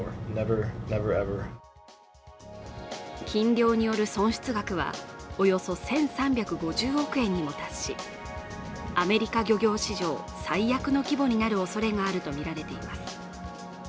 禁漁による損失額はおよそ１３５０億円にも達し、アメリカ漁業史上最悪の規模になるおそれがあるとみられています。